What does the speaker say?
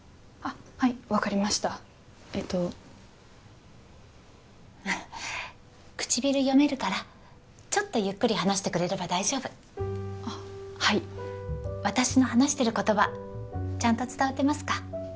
あっはい分かりましたえっとあっ唇読めるからちょっとゆっくり話してくれれば大丈夫あっはい私の話してる言葉ちゃんと伝わってますか？